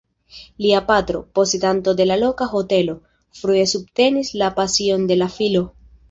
Lia patro, posedanto de loka hotelo, frue subtenis la pasion de la filo.